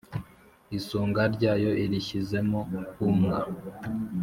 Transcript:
Isonga ryayo irishyizemo ubumwa,